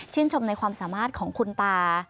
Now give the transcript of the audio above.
ชมในความสามารถของคุณตา